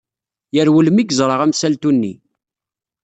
Yerwel mi yeẓra amsaltu-nni.